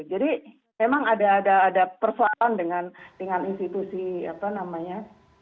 jadi memang ada persoalan dengan institusi apa namanya